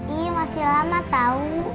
ih masih lama tau